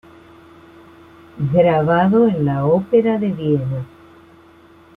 Grabado en la Ópera de Viena.